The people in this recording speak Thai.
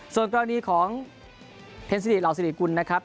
ส่วนกล้องนี้ของเทนซิริลาวซิริกุลนะครับ